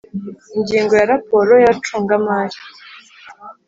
Ingingo ya raporo y abacungamari